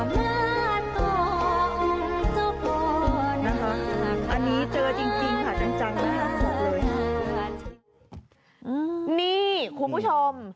นะคะอันนี้เจอจริงจริงค่ะจังจังมากครับผมเลยนี่คุณผู้ชม